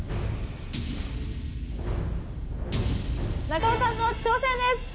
中尾さんの挑戦です！